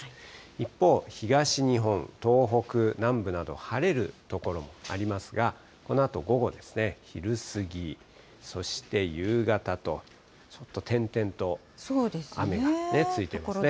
一方、東日本、東北南部など、晴れる所もありますが、このあと午後ですね、昼過ぎ、そして夕方と、ちょっと点々と雨がついてますね。